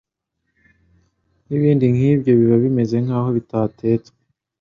n’ibindi nk’ibyo biba bimeze nk’aho bitatetswe